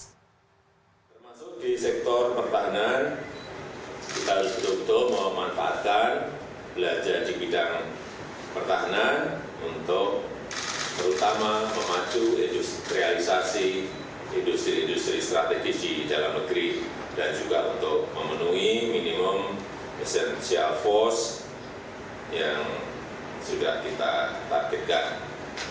termasuk di sektor pertahanan kita harus berhubungan memanfaatkan belanja di bidang pertahanan untuk terutama memacu realisasi industri industri strategis di dalam negeri dan juga untuk memenuhi minimum essential force yang sudah kita targetkan